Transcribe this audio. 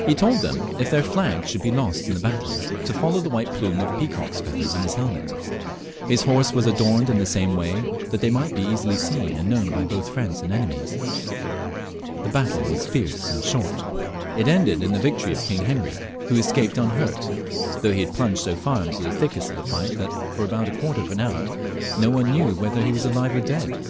He told them, if their flags should be lost in the battle, to follow the white plume of peacock's feathers in his helmet His horse was adorned in the same way, that they might be easUy seen and known by *both friends and enemies. The battle was fierce and short. It ended in the victory of King Heniy, who escaped unhurt, though he had plunged so £eur into the thickest of the fight that, for about a quarter of an hour, no one knew if he were alive or dead.